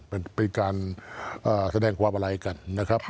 มันเป็นการแสดงความอะไรกันนะครับ